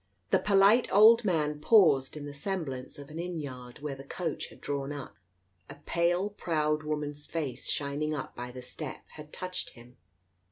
The polite old man paused in the semblance of an inn yard where the coach had drawn up. A pale proud woman's face, shining up by the step, had touched him.